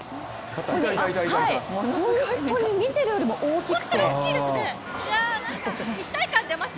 本当に見ているよりも大きくて。